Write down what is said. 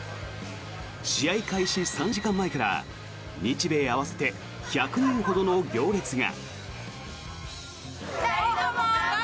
試合開始３時間前から日米合わせて１００人ほどの行列が。